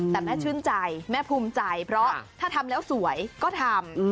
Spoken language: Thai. แต่แม่ชื่นใจแม่ภูมิใจเพราะถ้าทำแล้วสวยก็ทำ